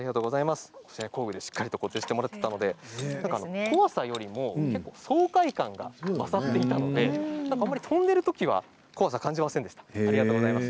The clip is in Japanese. しっかりと固定してもらっていたので怖さよりも爽快感が勝っていたので飛んでいるときは怖さは感じませんでした。